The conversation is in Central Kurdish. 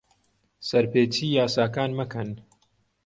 سەرپێچیی یاساکان مەکەن.